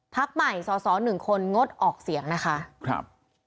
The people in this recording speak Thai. พักใหม่สส๑คนงดออกเสียงนะคะ